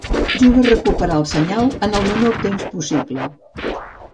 Juga a recuperar el senyal en el menor temps possible.